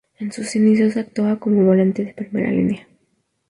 En sus inicios, actuaba como volante de primera línea.